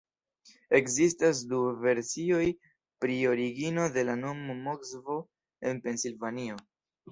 Ekzistas du versioj pri origino de la nomo Moskvo en Pensilvanio.